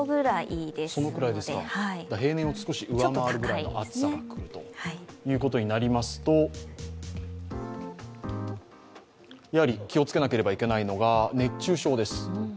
平年を少し上回るぐらいの暑さが来るということになりますと気をつけなければいけないのは熱中症です。